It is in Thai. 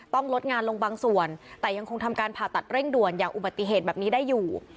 ลดงานลงบางส่วนแต่ยังคงทำการผ่าตัดเร่งด่วนอย่างอุบัติเหตุแบบนี้ได้อยู่